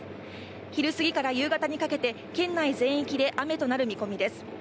昼過ぎから夕方にかけて県内全域に雨となる見込みです。